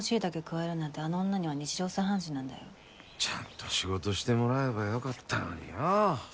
くわえるなんてあの女には日常茶飯事なんだよ。ちゃんと仕事してもらえばよかったのによ。